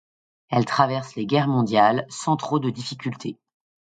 Elle traverse les guerres mondiales sans trop de difficultés.